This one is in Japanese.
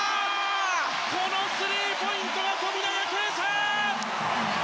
このスリーポイント富永啓生！